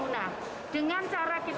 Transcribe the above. nah dengan cara kita